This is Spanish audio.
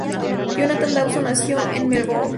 Jonathan Dawson nació en Melbourne.